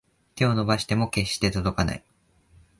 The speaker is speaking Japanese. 手を伸ばしても決して届かない